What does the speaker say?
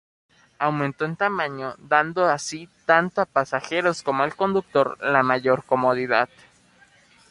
Aumentó en tamaño, dando así tanto a pasajeros como al conductor la mayor comodidad.